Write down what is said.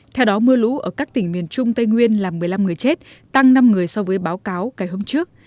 theo đó mưa lũ ở các tỉnh miền trung tây nguyên làm một mươi năm người chết tăng năm người so với báo cáo ngày hôm trước